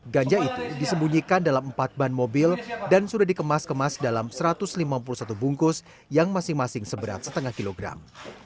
ganja itu disembunyikan dalam empat ban mobil dan sudah dikemas kemas dalam satu ratus lima puluh satu bungkus yang masing masing seberat setengah kilogram